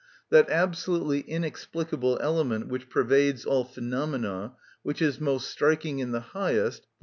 That absolutely inexplicable element which pervades all phenomena, which is most striking in the highest, _e.